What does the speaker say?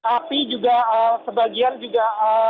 api juga sebagian juga